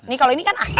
ini kalau ini kan asli